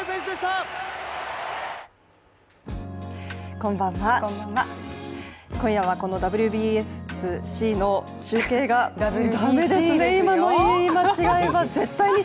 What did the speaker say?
こんばんは、今夜はこのＷＢＣの中継が、だめですね、今の言い間違いは。